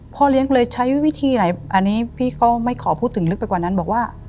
เลี้ยงเลยใช้วิธีไหนอันนี้พี่ก็ไม่ขอพูดถึงลึกไปกว่านั้นบอกว่า